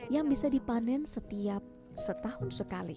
yang bisa dipanen setiap setahun sekali